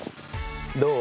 「どう？